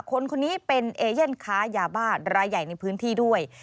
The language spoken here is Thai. คนนี้เป็นเอเย่นค้ายาบ้ารายใหญ่ในพื้นที่ด้วย